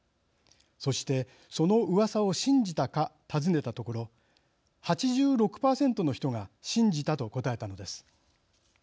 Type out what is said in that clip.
そして、そのうわさを信じたか尋ねたところ８６％の人が信じたと答えたのです。